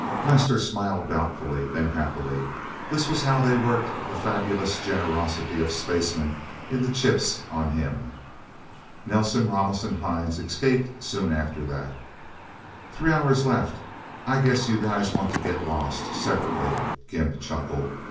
Lester smiled doubtfully, and then happily. That was how they worked the fabulous generosity of spacemen in the chips on him. Nelsen, Ramos and Hines escaped soon after that. "Three hours left. I guess you guys want to get lost separately," Gimp chuckled.